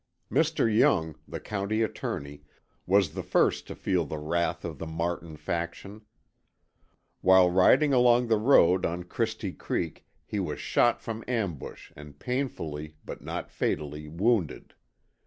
Mr. Young, the county attorney, was the first to feel the wrath of the Martin faction. While riding along the road on Christi Creek he was shot from ambush and painfully, but not fatally, wounded.